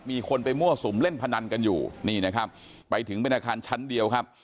มีคนไปมั่วสุมเล่นพนันกันอยู่นี่นะครับไปถึงเป็นอาคารชั้นเดียวครับ